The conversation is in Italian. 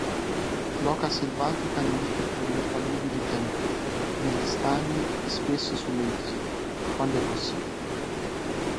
L'oca selvatica nidifica nelle paludi di pianura, negli stagni e spesso sulle isole, quando è possibile.